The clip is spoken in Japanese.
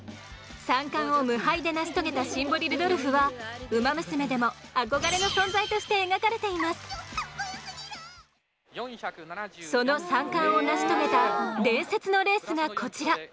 三冠を無敗で成し遂げたシンボリルドルフは「ウマ娘」でもその三冠を成し遂げた伝説のレースがこちら。